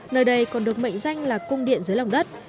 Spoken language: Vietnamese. nơi đây còn được mệnh danh là cung điện dưới lòng đất